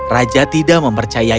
raja tidak mempercayainya